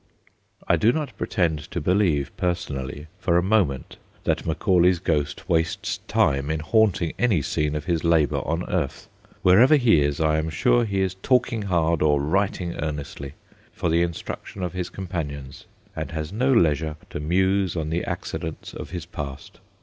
I do not pretend to believe, personally, for a moment, that Macaulay 's ghost wastes time in haunting any scene of his labour on earth. Wherever he is, I am sure he is talking hard, or writing earnestly, for the instruction of his companions, and has no leisure to muse on the accidents of his past.